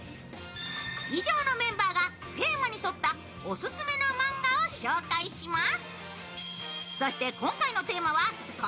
以上のメンバーがテーマに沿ったオススメの漫画を紹介します。